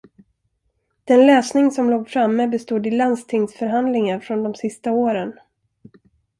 Den läsning som låg framme bestod i landstingsförhandlingar från de sista åren.